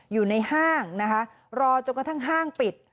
อยู่ในห้างนะคะรอจนกระทั่งห้างปิด